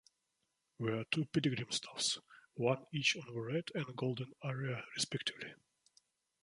There are two pilgrim staffs, one each on the red and golden area respectively.